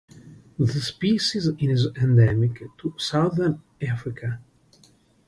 The species is endemic to Southern Africa.